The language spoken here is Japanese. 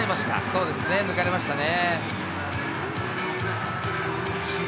そうですね、抜かれましたね。